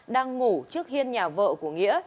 đang ngủ trước hiên nhà vợ của nghĩa